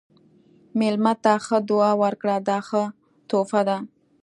مېلمه ته ښه دعا ورکړه، دا ښه تحفه ده.